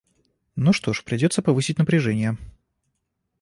Ну что ж, придется повысить напряжение.